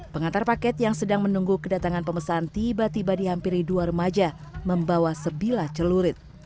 pengantar paket yang sedang menunggu kedatangan pemesan tiba tiba dihampiri dua remaja membawa sebilah celurit